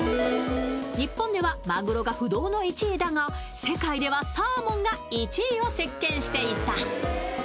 日本ではまぐろが不動の１位だが世界ではサーモンが１位を席けんしていた。